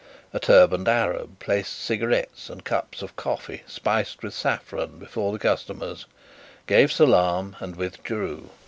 A turbaned Arab placed cigarettes and cups of coffee spiced with saffron before the customers, gave salaam and withdrew.